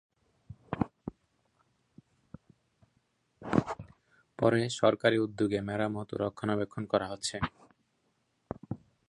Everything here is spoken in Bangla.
পরে সরকারি উদ্যোগে মেরামত ও রক্ষণাবেক্ষণ করা হচ্ছে।